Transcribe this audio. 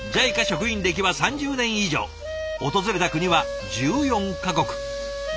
ＪＩＣＡ職員歴は３０年以上訪れた国は１４か国。